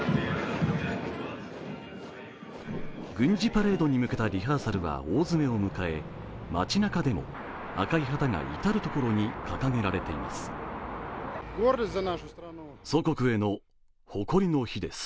軍事パレードに向けたリハーサルは大詰めを迎え街なかでも、赤い旗が至る所に掲げられています。